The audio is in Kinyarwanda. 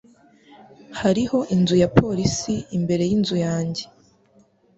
Hariho inzu yiposita imbere yinzu yanjye.